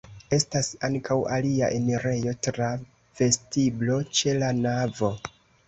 Estas ankaŭ alia enirejo tra vestiblo ĉe la navo.